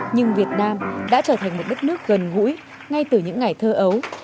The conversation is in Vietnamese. nhưng việt nam đã trở thành một đất nước gần gũi ngay từ những ngày thơ ấu